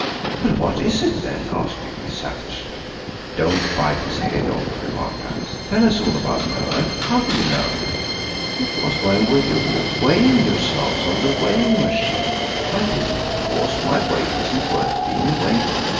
"Well, what is it, then?" asked Dicky savagely. "Don't bite his head off," remarked Alice. "Tell us about it, Noël. How do you know?" "It was when you were weighing yourselves on the weighing machine. I didn't because my weight isn't worth being weighed for.